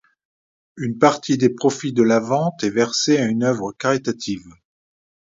Une partie des profits de la vente est versée à une œuvre caritative.